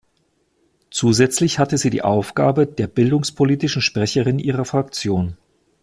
Zusätzlich hatte sie die Aufgabe der Bildungspolitischen Sprecherin ihrer Fraktion.